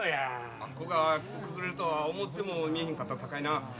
あっこが崩れるとは思ってもみいひんかったさかいな。